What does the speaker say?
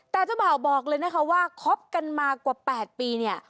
แต่เจ้าบ่าวบอกเลยนะคะว่าคบกันมากว่า๘ปีเนี่ย